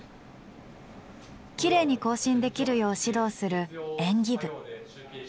きれいに行進できるよう指導する演技部。